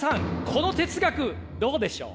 この哲学どうでしょう？